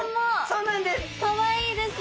そうなんです。